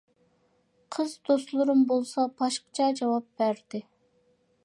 قىز دوستلىرىم بولسا باشقىچە جاۋاب بەردى.